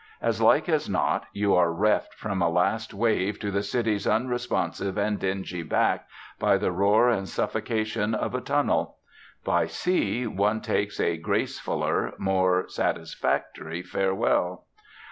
As like as not, you are reft from a last wave to the city's unresponsive and dingy back by the roar and suffocation of a tunnel. By sea one takes a gracefuller, more satisfactory farewell.